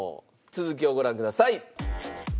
続きをご覧ください。